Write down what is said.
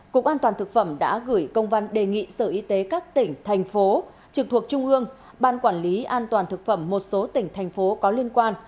cục an toàn thực phẩm đã gửi công văn đề nghị sở y tế các tỉnh thành phố trực thuộc trung ương ban quản lý an toàn thực phẩm một số tỉnh thành phố có liên quan